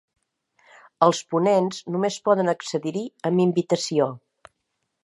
Els ponents només poden accedir-hi amb invitació.